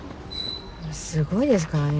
すごいですからね。